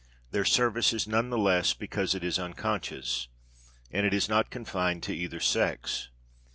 Their service is none the less because it is unconscious; and it is not confined to either sex.